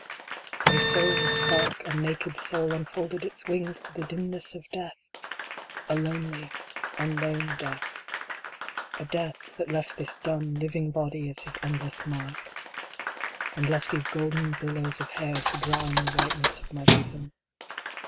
And so the stark and naked soul unfolded its wings to the dimness of Death ! A lonely, unknown Death. A Death that left this dumb, living body as his endless mark 9 io RESURGAM. And left these golden billows of hair to drown the whiteness of my bosom.